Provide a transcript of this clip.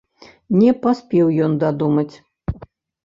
Не паспеў ён дадумаць.